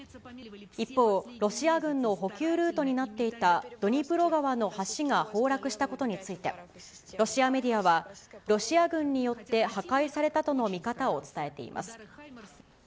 一方、ロシア軍の補給ルートになっていたドニプロ川の橋が崩落したことについて、ロシアメディアは、ロシア軍によって破壊されたとの見方を伝えています。